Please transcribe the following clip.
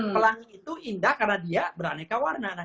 pelangi itu indah karena dia beraneka warna